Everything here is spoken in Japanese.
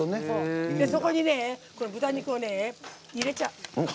そこに豚肉を入れちゃう。